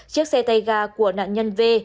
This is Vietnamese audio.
chiếc xe tay ga của nạn nhân v